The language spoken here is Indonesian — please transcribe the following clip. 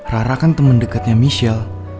rara kan temen deketnya michelle